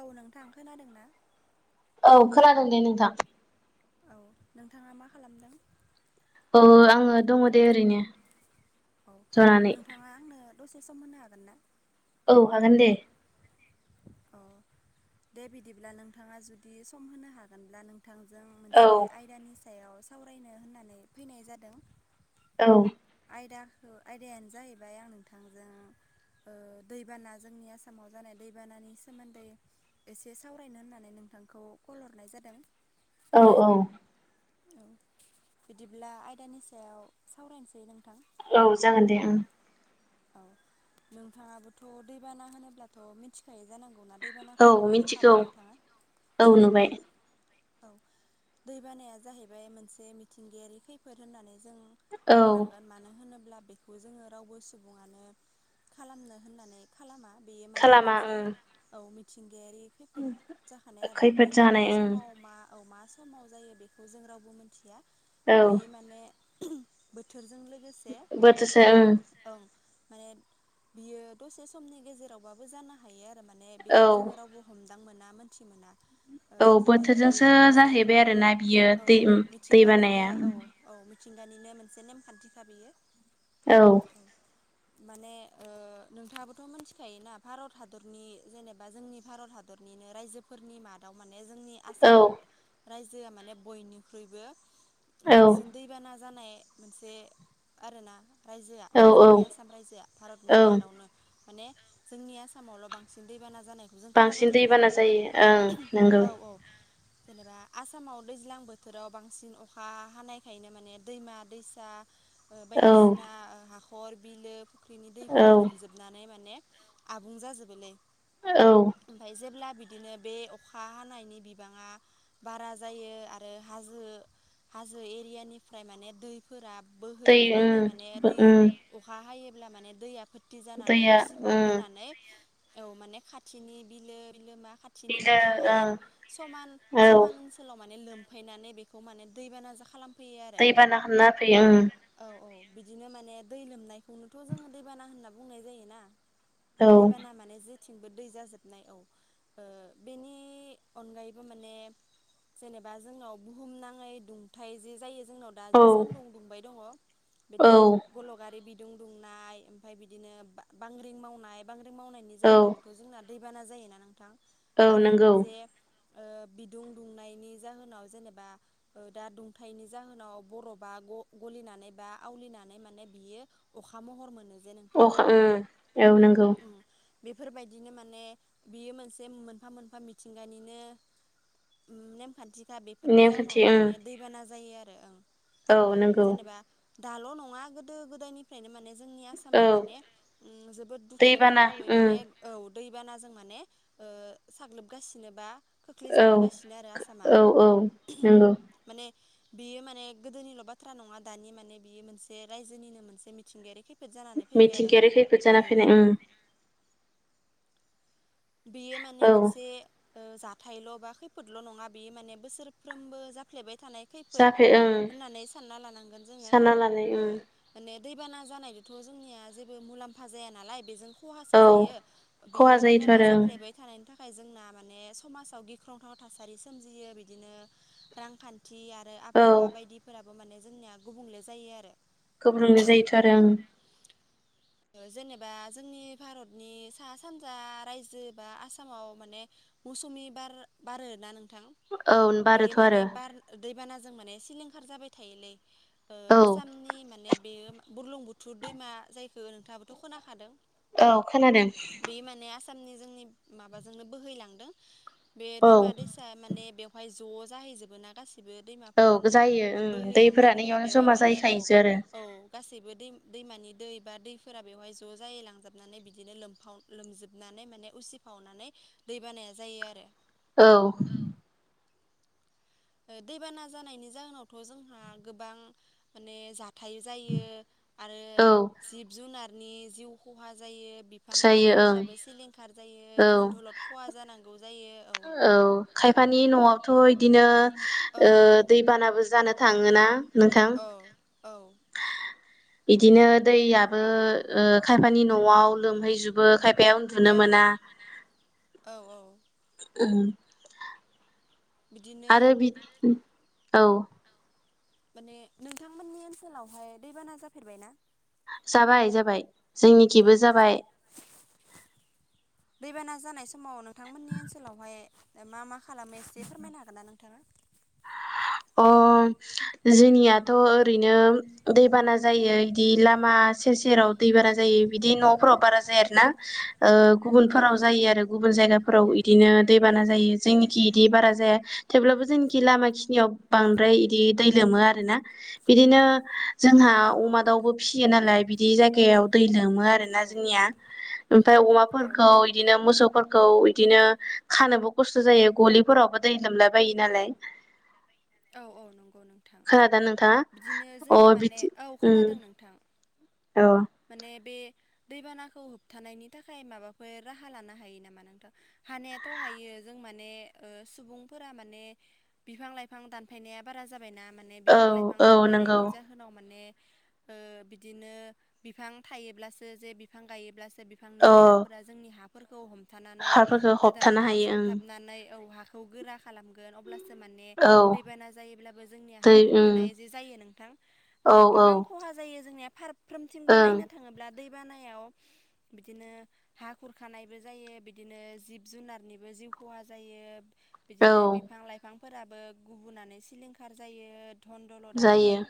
औ नोंथां खोनादों ना? औ खोनादों दे नोंथां। औ नोंथाङा मा खालामदों? औ आङो दङ दे ओरैनो। औ जनानै। नोंथाङा आंनो दसे सम होनो हागोन ना? औ हागोन दे। अ दे बिदिब्ला नोंथाङा जुदि सम होनो हागोनब्ला [unintelligible] [unintelligible] औ मोनसे आयदानि सायाव सावरायनो होननानै फैनाय जादों। औ आयदाखौ आयदायानो जाहैबाय आं नोंथांजों ओह दैबाना जोंनि आसामाव जानाय दैबानानि सोमोन्दै एसे सावरायनो होननानै [unintelligible] नोंखौ कल हरनाय जादों। औ औ। औ बिदिब्ला आयदानि सायाव सावरायनोसै नोंथां। औ जागोन दे ओं। औ नोंथाङाबोथ' दैबाना होनोब्लाथ' मिथिखायो। जानांगौ ना औ दैबानाखौथ' मिथिगौ नुफेरखाबाय नोंथाङा? औ नुबाय औ दैबानाया जाहैबाय मोनसे मिथिंगायारि खैफोद होननानै जों औ बुंनांगोन मानो होनोब्ला? बेखौ जोङो रावबो [unintelligible] [unintelligible] खालामनो होननानै खालामा बेयो माने खालामा मोनसे ओं। औ [unintelligible] खैफोद जाखानाय आरोना। खैफोद बे जानाय माब्ला ओं समाव मा ओ [unintelligible] समाव जायो। बेखौ जों रावबो मोनथिया औ बे माने बोथोरजों [unintelligible] ओं [unintelligible] माने बियो दसे समनि गेजेरावबाबो जानो हायो। आ माने औ। बेखौ जोङो रावबो हमदां मोना, मोनथि मोना। ओ औ बिदिनो बोथोरजोंसो बेथ' मोनसे औ जाहैबाय आरोना। बियो औ दै औ उम मिथिंगानिनो दैबानाया औ औ मिथिंगानिनो मोनसे नेमखान्थिखा बियो। औ। माने ओह नोंथाङाबोथ' मिथिखायोना भारत हादरनि जेनेबा जोंनि भारत हादर [unintelligible] रायजोफोरनि मादाव [unintelligible] जोंनि औ आसाम रायजोआ माने बयनिख्रुइबो औ बांसिन दैबाना जानाय मोनसे आरोना रायजोआ। औ औ जोंनि आसाम रायजोआ भारतनि औ मादावनो माने जोंनि आसामावल' बांसिन दैबाना जानायखौ जों खोनाबाय बांसिन थायोना दैबाना नोंथां। जायो ओं नंगौ औ औ। जेनेबा आसामाव दैज्लां बोथोराव बांसिन अखा हानायखायनो माने दैमा -दैसा औ बायदिसिना हाखर बिलो फुख्रिनि दैफोरा औ लोमजोबनानै माने आबुं जाजोबोलै। औ ओमफाय जेब्ला बिदिनो बे अखा हानायनि बिबांङा बारा जायो आरो हाजो हाजो एरियानिफ्राय माने दैफोरा दै बोहैबोनानै ओम माने दै -ओम। अखा हायोब्ला माने दैया फोर्थि जानानै ओं उसिफावबोनानै औ माने खाथिनि बिलो- बिलोमा खाथिनि बिलो माने हायेन ओं समान औ -समान ओनसोलाव माने लोमफैनानै बेखौ माने दैबाना जो खालाम दैबाना हमना होफैयो ओम। औ औ बिदिनो माने दै लोमनायखौनोथ' जोङो दैबाना होनना बुंनाय जायोना। ओं दैबाना माने जे थिंबो दै जाजोबनाय औ ओ बेनि अनगायैबो माने जेनेबा जोंनाव बुहुम नाङै दुंथ जे जायो। जोंनाव दा औ जे सान्दुं दुंबाय दङ औ बिदि बारि बिदुं दुंनाय ओमफ्राय बिदिनो बांग्रिं मावनाय बांग्रिं मावनायनि औ जाहोनावबोथ' जोंना दैबाना जायोना नोंथां औ आरो नंगौ जे ओ बिदुं दुंनायनि जाहोनाव जेनेबा दा दुंथायनि जाहोनाव बर'बा ग गलि नानै बा आवलिनानै माने बियो अखा महर मोनो। जे नोंथां अखा ओम औ नंगौ। ओं बेफोरबायदिनो माने बियो मोनसे मोनफा मोनफा मिथिंगानिनो नेमखान्थि। दा बेफोरनि नेमखान्थि जाउनावनो ओं माने दैबाना जायो आरो औ ओह नंगौ जेनेबा दाल' नङा गोदो गोदायनिफ्रायनो माने जोंनि आसामा औ माने ओम जोबोद दुखु दैबाना नांथावै ओं माने औ दैबानाजों माने ओ साग्लोबगासिनोबा। औ खोख्लैजाबोगासिनो आरो आसामा औ औ नंगौ माने बियो माने गोदोनिल' बाथ्रा नङा दानि माने बियो मोनसे रायजोनिनो मोनसे मिथिंगायारि खे फेट जानानै फैबाय आरो मिथिंगायारि खैफोद जाना ओम। फैनाय ओं बेयो माने औ मोनसे ओ जाथायल' बा खैफोदल' नङा बेयो माने बोसोरफ्रोमबो जाफ्लेबाय थानाय खैफोद जाफै ओं होननानै सानना लानांगोन जोङो सानना लानाय ओ ओं माने दैबाना जानायजोंथ' जोंनिया जेबो मुलाम्फा जाया नालाय बेजों खहासो औ जायो खहा बेयो दै जायोथ' हा आरो ओं जाफ्लायबाय थानाय थाखाय जोंना माने समाजाव गिख्रंथाव थासारि सोमजियो बिदिनो रांखान थि आरो औ आबहावा बायदिफोराबो माने जोंनिया गुबुंले जायो आरो गोब्रोंनाय जायोथ' आरो ओ। जेनेबा जोंनि भारतनि सा सानजा रायजो बा आसामाव माने मौसुमि बार बारोना नोंथां। ओं औ बे बारोथ' माने आरो बार दैबानाजों माने सिलिंखार जाबाय थायोलै। ओ औ आसामनि माने बेयो बुरलुंबुथुर दैमा जायखौ नोंथाङाबोथ' खोनाखादों। औ खोनादों। था जोंनि माबाजोंनो बोहैलांदों बे औ दैमा दैसा माने बे बेवहाय ज जाहैजोबो ना गासिब बे औ दैमाफोरानो जायो ओं दैफोरानो बोहैालांनायफोरा इयावनो बेवहाय जमा माने औ जाहैखायोसो आरो औ गासिबो दै दैमानि दै बा दैफोरा बेवहाय ज' जायै लांजोबनानै बिदिनो लोमफाव लोमजोब हाबनानै माने उसिफावनानै दै बानाया जायो आरो औ दैबाना जानायनि जाहोनावथ' जोंहा गोबां माने जा थायो जायो आरो औ जिब जुनारनि जिउ खहा जायो। बिफां जायो ओं लाइफांफोराबो सिलिंखार जायो औ धोनदलद खहा जानांगौ औ खायफानि न'आवथ' इदिनो औ ओ औ दैबानाबो जानो थाङोना नोंथां। औ औ बिदिनो दैयाबो ओ खायफानि न'आव लोमहैजोबो खायफा बेयाव उन्दुनो औ मोना। औ औ बिदिनो आरो बि औ माने नोंथांमोननि ओनसोलावहाय दैबाना जाफेरबाय ना जाबाय जाबाय औ जोंनिखिबो जाबाय दैबाना जानाय समाव नोंथांमोननि ओनसोलावहाय मा मा खालामो एसे फोरमायनो हागोन ना नोंथा थां अ जोंनियाथ' ओरैनो दैबाना जायो इदि लामा सेर सेराव दै बारा जायो बिदि न'फोराव बारा जाया आरोनाओ औ गुबुनफोराव जायो आरो गुब जायगा फोराव इदिनो दै बाना जायो जोंनिखि इदि बारा जाया थेवब्लाबो जोंनिखि लामा खिनियाव बांद्राय इदि दै लोमो आरो ना बिदिनो जोंहा औ औ अमा दाउबो नोंथां। फिसियो नालाय बिदि जायगायाव दै लोमो औ आरोना जोंनिया ओमफ्राय औ अमाफोरखौ औ इदिनो मोसौ खौ इदिनो खानोबो खस्थ' जायो गलिफोरावबो दै लोमलााय बायो नालाय औ औ नंगौ नोंथां खोनादों नोंथाङा बिदिनो अ जोङो माने बिदि औ खोनादों उम नोंथां औ माने बे दैबानाखौ होबथानायनि थाखाय माबाफोर राहा लानो हायो नामा नोंथां हानायाथ' हायो जोंमाने सुबुं फोरा माने बिफां लाइफां बिफां दानफायनाया बारा जाबायना माने बिफां लाइफां औ नंगौ दानफायनायनि जाहोनाव माने ओ बिदिनो बिफां थायोब्लासो जे बिफां गायोब्लासो बिफांनि औ रोदाफोरा जोंनि हाफोरखौ हमथानानै हाफोरखौ हबथानो रोदाफोरा हायो सुंथाबनानै औ हा खौ गोरा खालामगोन अब्लासो माने ओं औ दैबाना जायोब्लाबो जोंनिया दै हा उम खुरखानाय जे जायो नोंथां औ औ गोबां खहा जायो जोंनिया फारफ्रोमथिंबो ओं नायनो थाङोब्ला दैबानायाव बिदिनो हा खुरखानायबो जायो बिदिनो जिब जुनारनिबो जिउ खहा जायो औ बिदिनो बिफां लाइफांफोराबो गुबुनानै सिलिंखार जायो धन दलदआो जायो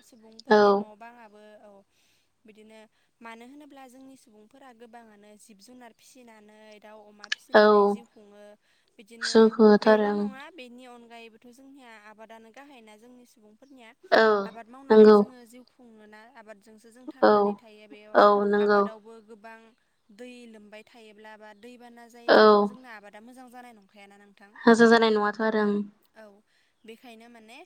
औ सुबुंफोरनि न' बाङाबो औ बिदिनो मानो होनोब्ला जोंनि सुबुंफोरा गोबाङानो जिब जुनार फिसिनानै दाउ अमा औ फिसिनानै जिउ खुङो बिदिनो जोंखौ बेल' होथारो नङा बेनि अनग अनगायैबोथ' जोंनिया आबादानो गाहाय ना जोंनि सुबुंफोरनिया ओं औ आबाद मावनानै नंगौ जोङो जिउ खुङोना आबादजोंसो जों औ थांनानै थायो बेयाव औ नंगौ आबादावबो गोबां दै लोमबाय थायोब्ला बा दैबाना जायोब्लाथ' जोंना आबादा मोजां जानाय नं हाजो जानाय नङाथ' आरो ओं औ बेखायनो माने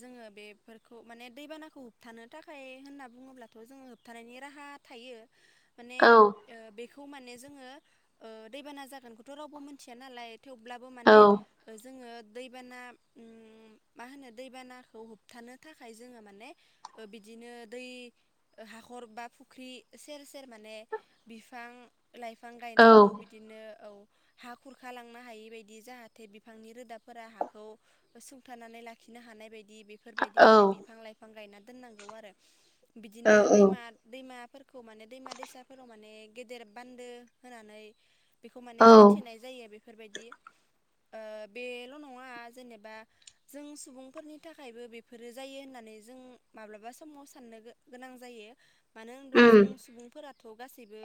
जोङो बेफोरखौ माने दैबानाखौ होबथानो थाखाय होनना बुङोब्ला थ' जों होबथानायनि राहा थायो माने ओं ओ बेखौ खौ माने जोङो दैबाना जागोनखौथ' रावबो मिथिया नालाय थेवब्लाबो औ माने जोङो दैबाना उम मा होनो दैबानाखौ होबथानो थाखाय जोङो माने बिदिनो दै हा हाखर बा फुख्रि सेर सेर माने बिफां लाइफां औ गायनांगौ बिदिनो औ हा खुरखालांनो हायि बदि जाहाथे बिफांनि रोदाफोरा हाखौ सुंथानानै लाखिनो हानाय बायदि बेफोरबायदि औ माने बिफां लाइफां गायना दोनांगौ आरो औ बिदिनो दैमा‌ दैमाफोर खौ माने दैमा दैसाफोराव माने गेदेर बान्दो होनानै बेखौ माने औ खोथेनाय जायो बेफोरबायदि ओ बेल' नङा जेनेबा जों सुबुंफोरनि थाखायबो बेफोरो जायो होननानै जों माब्लाबा समाव सानना नो गोनां जायो मानो होनब्ला उम जों सुबुंफोरा थ' गासैबो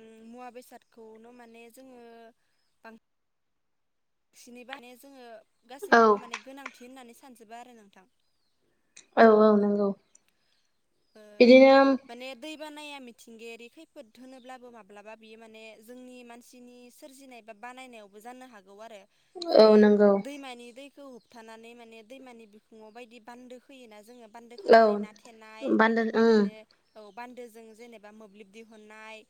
ओम मुवा बेसादखौनो माने जोङो बां सिनै बानाय जोङो औ गासैखौबो माने गोनांथि होननानै सानजोबो आरो नोंथां औ औ नंगौ ओ बिदिनो माने दै बानाया मिथिंगायारि खैफोद होनोब्लाबो माब्लाबा बियो माने जोंनि मानसिनि सोरजिनाय बा बानायनायावबो जानो हागौ आरो औ जेरै नंगौ दैमानि दै -खौ होबथानानै माने दैमानि बिखुङाव बायदि बान्दो खोयोना जोङो बान्दो औ खोनानै ना थेनाय बान्दो ओं बेफोरबायदिनो औ बान्दोजों जेनेबा मोब्लिब दिहुननाय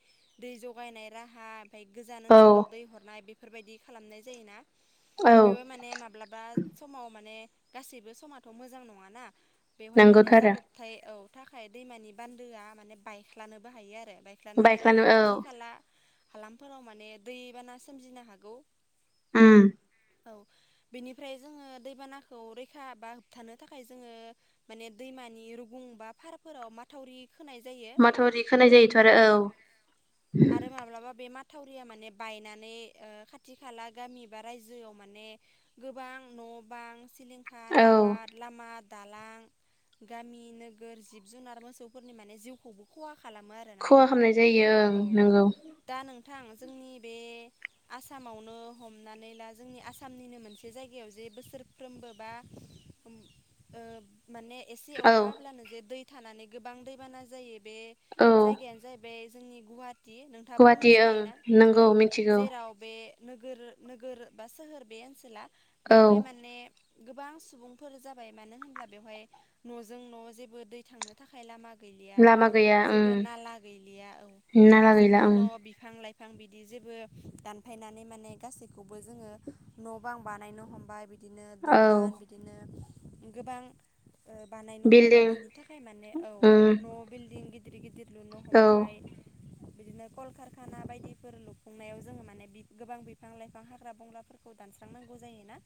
दै जगायनाय राहा ओमफाय गोजान औ ओनसोलाव दै हरनाय बेफोरबायदि खालामनाय जायोना औ बेव माने माब्लाबा समाव माने गासैबो समाथ' मोजां नङाना। बेवहाय माने नंगौथ' आरो जाब्रबथाय औ थाखाय दैमानि बान्दोआ माने बायख्लानोबो हायो आरो। बायख्लानानै बायख्लानो माने खाथि औ खाला हालामफोराव माने दैबाना सोमजिनो हागौ। उम। औ बेनिफ्राय जोङो दैबानाखौ रैखा बा होबथानो थाखाय जोङो माने दै। मानि रुगुं बा फारफोराव मा। -थावरि खोनाय जायो माथावरि खोनाय जायोथ' औ आरो आरो माब्लाबा बे माथ -थावरिया माने बायनानै ओ खाथि खाला गामि बा रायजोआव माने गोबां न' बां सि -लिंखार औ आबाद लामा दालां गामि नोगोर जिब जुनार मोसौ फोरनि माने जिउखौबो खहा खालामो आरोना खहा नोंथां खालामनाय जायो ओं औ नंगौ दा नों -थां जोंनि बे आसामावनो हमनानै ला जोंनि आसामनिनो मोनसे जायगायाव जे। बोसोरफ्रोमबो बा ओम ओ। माने एसे अखा औ हाब्लानो जे दै थानानै गोबां दैबाना जायो। बे औ जायगायानो जाहैबाय जोंनि गुवाहा -टि नोंथाङाबोथ' गुवाहाटि ओं मिथिखायोना औ नंगौ मिथिगौ जेराव बे नोगोर नोगोर बा सोहोर बे ओनसोला औ बेवहाय माने गोबां सुबुंफोर जाबाय मानो होनब्ला बेवहाय न'जों न' जेबो दै थांनो थाखाय लामा। गैलिया लामा गैया उम जेबो नाला गैलिया औ नाला गैला न'जोंनो उम न' बिफां लाइ फां बिदि जेबो दानफायनानै माने गासैखौबो जोङो न' बां बानायनो हमबाय बि दिनो औ दखान बिदिनो गोबां ओ बानायनो हमबाय बिल्डिं बिनि थाखाय माने उम न' बिल लुनो औ हमबाय बिदिनो कलकारखाना बायदिफोर लुफुंनायाव जोङो माने बि गोबां बिफां लाइफां हाग्रा बंग्राफोरखौ दानस्रांनां गौ जायोना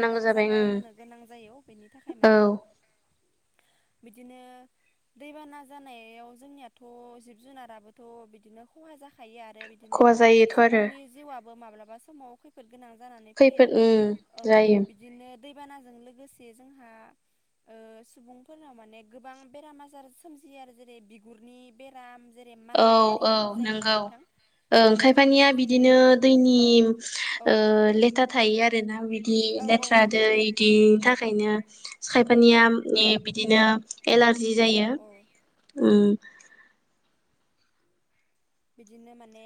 गोबां जाबाय जागा उम होनो गोनां जायो बेनि थाखाय औ माने बिदिनो दैबाना जानायाव जोंनियाथ' जिब जुनाराबोथ' बिदिनो खहा जा। -खायो आरो बिदिनो खहा जायोथ' आरो सुबुंनि जिउआबो माब्लाबा समाव खैफोद गोनां जानानै फैयो खैफोद उम औ औ जायो बिदिनो दैबानाजों लोगोसे जोंहा ओ सुबुंफोरनाव माने गोबां बेराम आजार सोमजियो आरो जेरै बिगुरनि बेराम जेरै औ माननाय औ आरिफोर जायोना नंगौ नोंथां ओं औ बिदिनो खायफानिया जेरै बिदिनो दैनि औ औ ओ लेथ्रा थायो आरो ना बिदि औ औ लेथ्रा दै नोंथां बिदिनि थाखायनो औ खायफानिया बिदिनो एलारजि जायो औ औ ओम। बिदिनो माने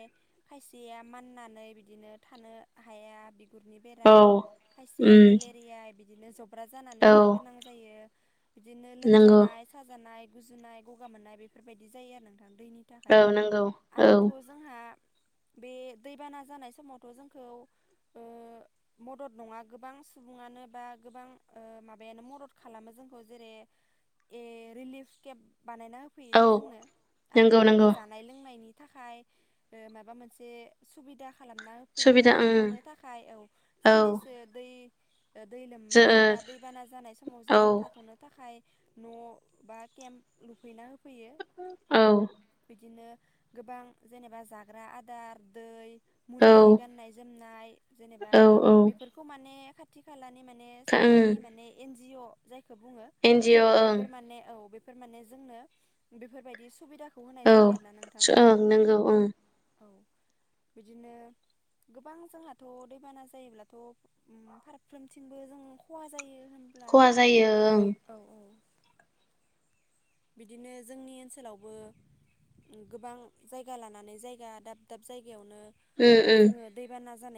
खायसेया माननानै बिदिनो थानो हाया बि -गुरनि औ बेराम खायसेया उम मेलेरिया बिदिनो जब्रा जानानै औ थानो गोनां जायो। बिदिनो नंगौ लोमजानाय साजानाय गुजुनाय गगा मोननाय बेफोरबायदि जायो आरो नों दैनि थाखाय औ नंगौ ओं औ आरोथ' जोंहा बे दैबाना जानाय समावथ' जोंखौ ओ मदद नङा गोबां सुबुंङा मानोबा गोबां ओ माबायानो मदद खालामो जोंखौ जेरै ए रिलिफ केम्प बानायना होफैयो जे जोंनो औ आरो नंगौ बिदिनो नंगौ जानाय लोंनायनि थाखाय ओ माबा मोनसे सुबिदा खालामना होफैयो सुबिदा थाथ'नो ओं थाखाय औ औ साननैसो दै दै जो लोमब्ला बा ओ दैबाना जानाय समाव जोंनो थाथ'नो थाखाय न' बा केम्प लुफैना हो औ गोबां जेनेबा जाग्रा आदार दै औ मुलि गाननाय जोमनाय जेनेबा औ ओं बेफोरखौ माने खाथि खालानि माने माने सोरकारि नि माने एन जि अ जायखौ बुङो एनजिअ ओं बे माने औ बेफोर माने जोंनो बेफोरबायदि सुबिदाखौ होनाय जायो आरोना नोंथां नोंगौ ओं औ बिदिनो गोबां जोंहाथ' दैबाना जायोब्लाथ' उम फारफ्रोमथिंबो जों खहा जायो होनब्ला खहा जायो ओं औ औ बिदिनो जोंनि ओनसोलावबो गोबां जायगा लानानै जायगा दाब दाब जायगा यावनो उम उम जोङो दैबाना जानाय